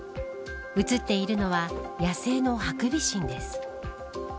映っているのは野生のハクビシンです。